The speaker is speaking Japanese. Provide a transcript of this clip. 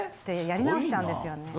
やり直しちゃうんですよね。